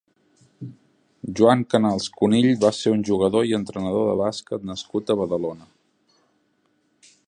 Joan Canals Cunill va ser un jugador i entrenador de bàsquet nascut a Badalona.